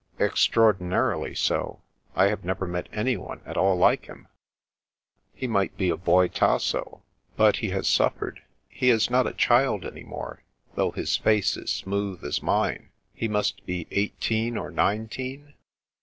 " Extraordinarily so. I have never met anyone at all like him." " He might be a boy Tasso. But he has suffered ; he is not a child any more, though his face is smooth as mine. He must be eighteen or nineteen